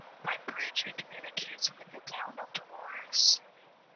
By bridge it communicates with the town of Dolores.